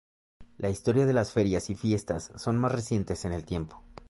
La historia de las Ferias y Fiestas son más recientes en el tiempo.